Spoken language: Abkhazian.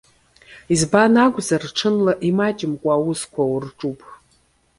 Избан акәзар, ҽынла имаҷымкәа аусқәа урҿуп.